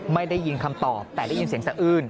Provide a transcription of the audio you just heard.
ไม่ได้ยินคำตอบแต่ได้ยินเสียงสะอื้น